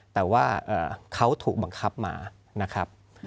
แต่ว่าเขาถูกบังคับมา